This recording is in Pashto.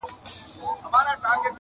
هره مياشت به دوې هفتې پاچا په ښكار وو!!